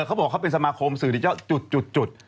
เขาบอกเขาเป็นสมาคมสื่อดิจอลจุด